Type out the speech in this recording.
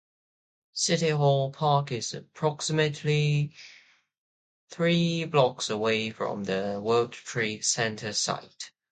City Hall Park is approximately three blocks away from the World Trade Center site.